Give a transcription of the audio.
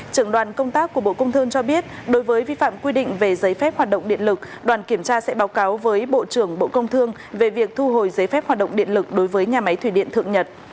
trưởng đoàn công tác của bộ công thương cho biết đối với vi phạm quy định về giấy phép hoạt động điện lực đoàn kiểm tra sẽ báo cáo với bộ trưởng bộ công thương về việc thu hồi giấy phép hoạt động điện lực đối với nhà máy thủy điện thượng nhật